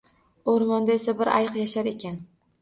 O’rmonda esa bir ayiq yashar ekan